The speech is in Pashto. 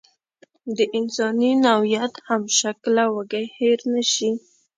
د انساني نوعیت همشکله وږی هېر نشي.